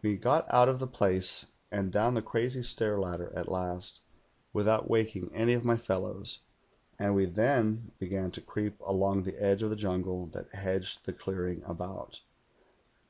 We got out of the place and down the crazy stair ladder at last, without waking any of my fellows, and we then began to creep along the edge of the jungle that hedged the clearing about.